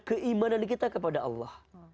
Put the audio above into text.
keimanan kita kepada allah